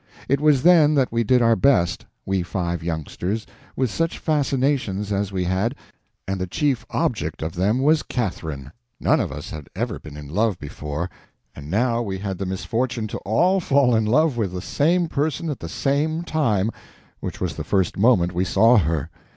It was then that we did our best, we five youngsters, with such fascinations as we had, and the chief object of them was Catherine. None of us had ever been in love before, and now we had the misfortune to all fall in love with the same person at the same time—which was the first moment we saw her.